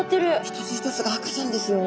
一つ一つが赤ちゃんですよ。